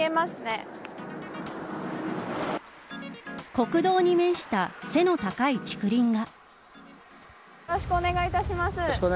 国道に面した背の高い竹林が。